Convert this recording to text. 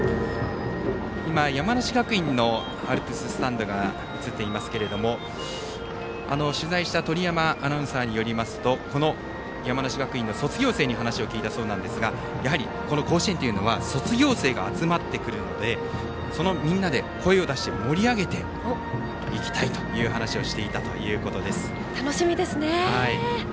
山梨学院のアルプススタンドが映っていますが取材した鳥山アナウンサーによりますと山梨学院の卒業生に話を聞いたそうですがやはり甲子園は卒業生が集まってくるのでみんなで声を出して盛り上げていきたいという話を楽しみですね。